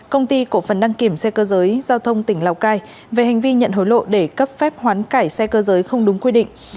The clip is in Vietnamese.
công ty cổ phần đăng kiểm xe cơ giới giao thông tỉnh lào cai về hành vi nhận hối lộ để cấp phép hoán cải xe cơ giới không đúng quy định